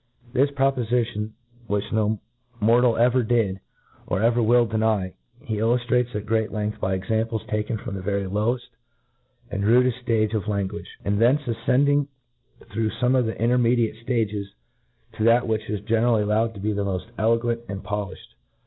This pro pbfitioh^ xAxidi no tabrtal ever did, or ^er will deny, he illuftrates, at great length, by examples taken from the very loweft and rudeft ftagc of language ; and thence afcending through fome of the intermediate ftages, to that which is ge nerally allowed to be the moft elegant and po fifhed.